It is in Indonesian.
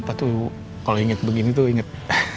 papa tuh kalau inget begini tuh inget